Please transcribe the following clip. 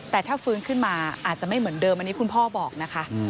แต่ถ้าฟื้นขึ้นมาอาจจะไม่เหมือนเดิมอันนี้คุณพ่อบอกนะคะ